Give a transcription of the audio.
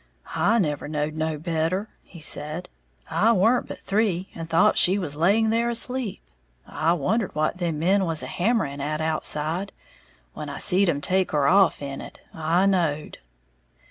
"I never knowed no better," he said; "I weren't but three, and thought she was laying there asleep. I wondered what them men was a hammering at outside. When I seed 'em take her off in it, I knowed."